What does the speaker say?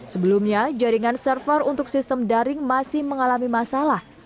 sebelumnya jaringan server untuk sistem daring masih mengalami masalah